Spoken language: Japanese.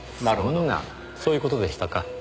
なるほどそういう事でしたか。